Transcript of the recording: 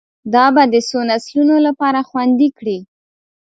دا به د څو نسلونو لپاره خوندي کړي